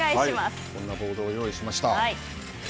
こんなボードを用意しました。